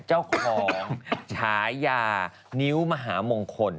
เจ้าของฉายานิ้วมหามงคล